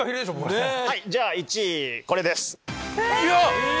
じゃあ１位これです。